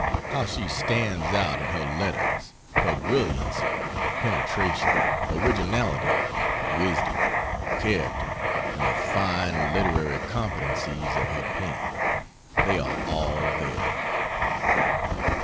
How she stands out in her letters! her brilliancy, penetration, originality, wisdom, character, and the fine literary competencies of her pen they are all there.